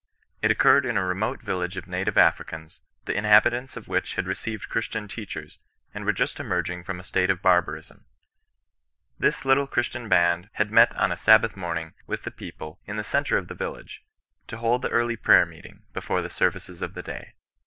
It occurred in a remote village of native Africans, the inhabitants of which had received Christian teachers, and were just emerging from a state of barbarism :—" This little Christian band had met on a Sabbath morning, with the people, in the cen tre of the village, to hold the early prayer meeting, be fore the services of the day.